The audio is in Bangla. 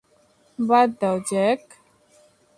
বাদ দাও, জ্যাক!